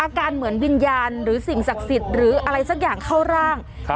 เหมือนวิญญาณหรือสิ่งศักดิ์สิทธิ์หรืออะไรสักอย่างเข้าร่าง